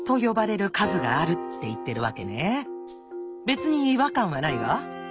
別に違和感はないわ。